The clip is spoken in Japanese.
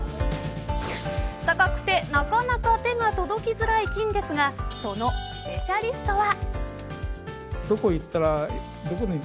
高くてなかなか手が届きづらい金ですがそのスペシャリストは。